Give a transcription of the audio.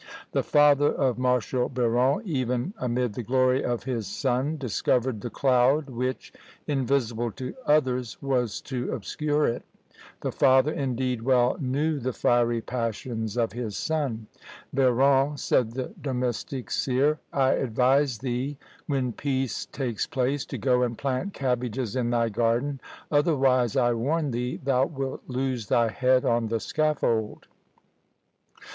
The father of Marshal Biron, even amid the glory of his son, discovered the cloud which, invisible to others, was to obscure it. The father, indeed, well knew the fiery passions of his son. "Biron," said the domestic seer, "I advise thee, when peace takes place, to go and plant cabbages in thy garden, otherwise I warn thee, thou wilt lose thy head on the scaffold!"